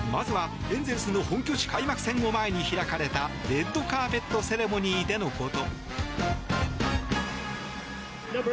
まずはエンゼルスの本拠地開幕戦を前に開かれたレッドカーペットセレモニーでのこと。